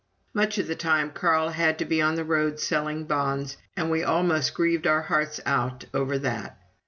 Much of the time Carl had to be on the road selling bonds, and we almost grieved our hearts out over that.